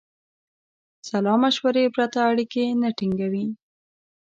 سلامشورې پرته اړیکې نه ټینګوي.